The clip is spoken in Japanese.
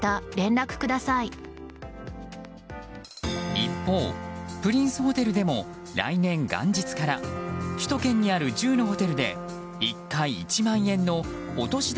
一方、プリンスホテルでも来年元日から首都圏にある１０のホテルで１回１万円のお年玉